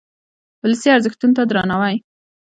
ولسي ارزښتونو ته درناوی.